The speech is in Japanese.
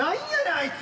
あいつ。